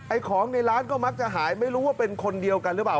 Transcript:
ของในร้านก็มักจะหายไม่รู้ว่าเป็นคนเดียวกันหรือเปล่า